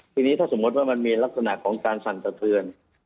ถ้าที่สมมุติมันมีลักษณะของการสั่นเถอเทือน